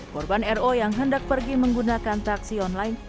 korban ro yang hendak pergi menggunakan taksi online